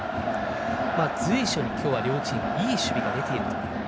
随所に両チームはいい守備が出ている。